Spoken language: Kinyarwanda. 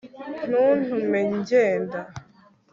ntuntume ngenda